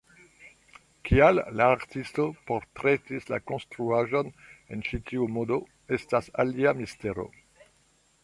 Kial la artisto portretis la konstruaĵon en ĉi tiu modo estas alia mistero.